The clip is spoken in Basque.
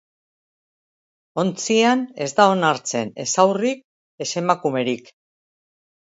Ontzian ez da onartzen ez haurrik ez emakumerik.